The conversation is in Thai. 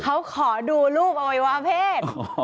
เขาขอดูรูปเอาไว้ว่าเพศ